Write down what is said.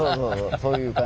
そういう感じです。